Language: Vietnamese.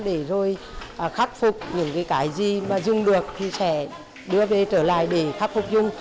để rồi khắc phục những cái gì mà dùng được thì sẽ đưa về trở lại để khắc phục dùng